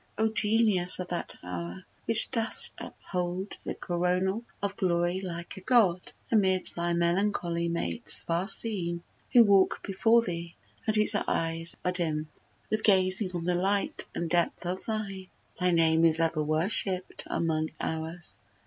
O Genius of that hour which dost uphold Thy coronal of glory like a God, Amid thy melancholy mates far seen, Who walk before thee, and whose eyes are dim With gazing on the light and depth of thine Thy name is ever worshipp'd among hours!